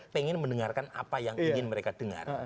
pengen mendengarkan apa yang ingin mereka dengar